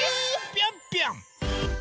ぴょんぴょん！